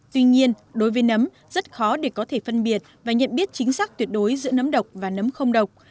tuy nhiên đối với nấm rất khó để có thể phân biệt và nhận biết chính xác tuyệt đối giữa nấm độc và nấm không độc